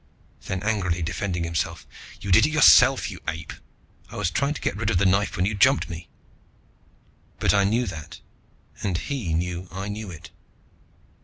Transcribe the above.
Then, angrily, defending himself: "You did it yourself, you ape. I was trying to get rid of the knife when you jumped me." But I knew that and he knew I knew it.